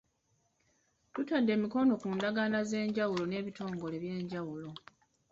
Tutadde emikono ku ndagaano ez'enjawulo n'ebitongole eby'enjawulo.